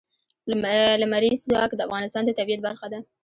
لمریز ځواک د افغانستان د طبیعت برخه ده.